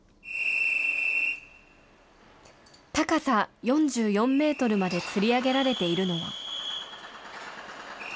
高さ４４メートルまでつり上げられているのは。